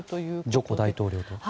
ジョコ大統領と。